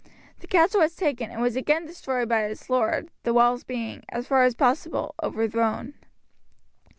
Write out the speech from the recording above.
The castle was taken, and was again destroyed by its lord, the walls being, as far as possible, overthrown.